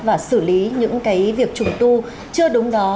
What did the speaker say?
và xử lý những cái việc trùng tu chưa đúng đó